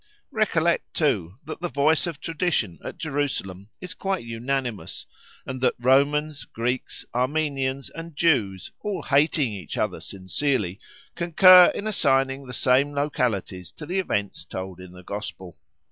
Recollect, too, that the voice of tradition at Jerusalem is quite unanimous, and that Romans, Greeks, Armenians, and Jews, all hating each other sincerely, concur in assigning the same localities to the events told in the Gospel.